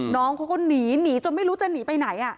น้องเขาก็หนีหนีจนไม่รู้จะหนีไปไหน